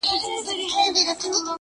o پرون دي بيا راڅه خوښي يووړله.